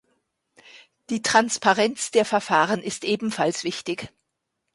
Die Transparenz der Verfahren ist ebenfalls wichtig.